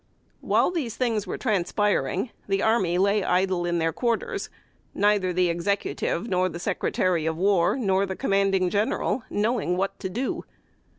While these things were transpiring, the army lay idle in their quarters; neither the Executive, nor the Secretary of War, nor the Commanding General, knowing what to do.